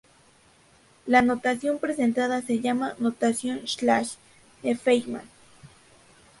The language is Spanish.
La notación presentada se llama notación "slash" de Feynman.